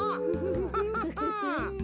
フフフン！